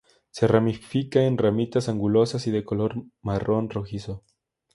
Se ramifica en ramitas angulosas y de color marrón rojizo.